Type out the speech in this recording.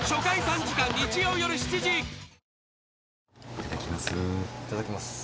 いただきます。